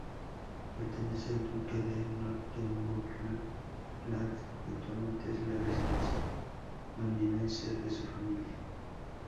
Pertenece al duque de Northumberland y actualmente es la residencia londinense de su familia.